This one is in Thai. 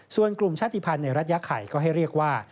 ส่วนกลุ่มชาติภัณฑ์ในรัฐยาไข่ก็ให้เรียกว่า